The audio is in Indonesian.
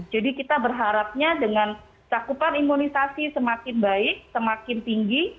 jadi kita berharapnya dengan cakupan imunisasi semakin baik semakin tinggi